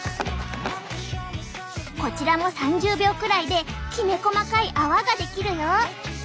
こちらも３０秒くらいできめ細かい泡が出来るよ。